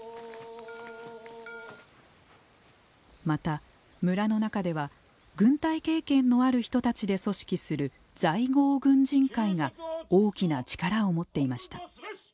また、村の中では軍隊経験のある人たちで組織する在郷軍人会が大きな力を持っていました。